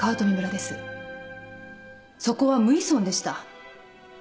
そこは無医村でした。